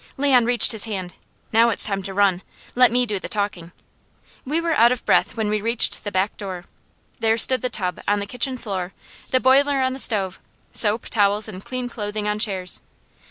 Leon reached his hand. "Now, it's time to run. Let me do the talking." We were out of breath when we reached the back door. There stood the tub on the kitchen floor, the boiler on the stove, soap, towels, and clean clothing on chairs.